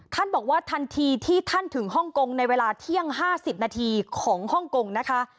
ท่านบอกว่าทันทีที่ท่านถึงฮ่องกงในเวลาเที่ยง๕๐นาทีของฮ่องกงนะคะ